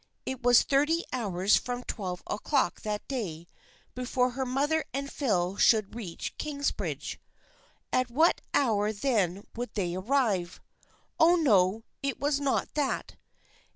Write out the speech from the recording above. It was thirty hours from twelve o'clock that day before her mother and Phil should reach Kingsbridge. At what hour then would they arrive ? Oh, no, it was not that.